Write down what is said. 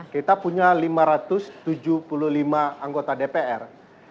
kita punya lima ratus tujuh puluh lima anggota dpr